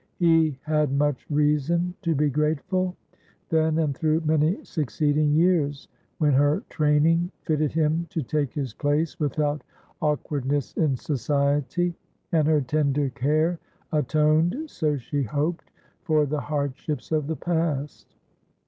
He had much reason to be grateful: then, and through many succeeding years, when her training fitted him to take his place without awkwardness in society, and her tender care atoned (so she hoped) for the hardships of the past.